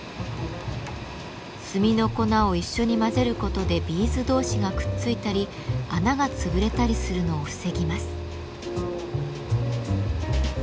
炭の粉を一緒に混ぜることでビーズ同士がくっついたり穴が潰れたりするのを防ぎます。